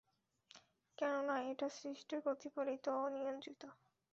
কেননা, এটা সৃষ্ট, প্রতিপালিত ও নিয়ন্ত্রিত।